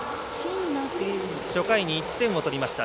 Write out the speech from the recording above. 初回に１点を取りました。